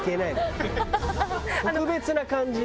特別な感じ